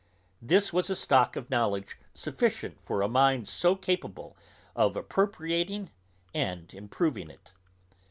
This was a stock of knowledge sufficient for a mind so capable of appropriating and improving it.